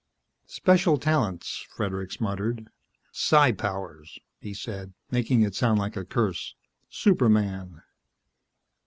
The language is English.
"Special talents," Fredericks muttered. "Psi powers," he said, making it sound like a curse. "Superman."